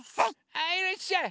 はいいらっしゃい！